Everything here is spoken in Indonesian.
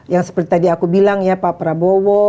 yang seperti tadi aku bilang ya pak prabowo